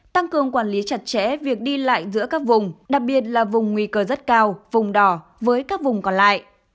tăng cường quản lý chặt chẽ việc đi lại giữa các vùng đặc biệt là vùng nguy cơ rất cao vùng đỏ với các vùng còn lại